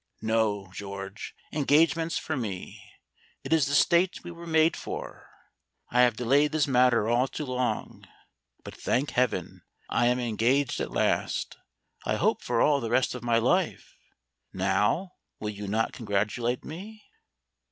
"No, George: engagements for me. It is the state we were made for. I have delayed this matter all too long. But, thank heaven, I am engaged at last I hope for all the rest of my life. Now, will you not congratulate me?"